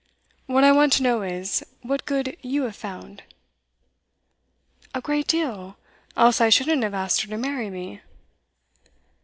What I want to know is, what good you have found.' 'A great deal, else I shouldn't have asked her to marry me.